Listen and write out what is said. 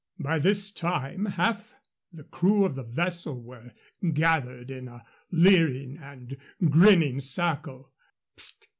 By this time half the crew of the vessel were gathered in a leering and grinning circle.